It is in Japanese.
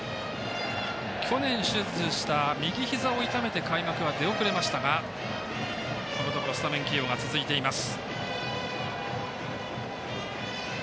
去年手術した右ひざを痛めて開幕は出遅れましたがこのところスタメン起用が続いています。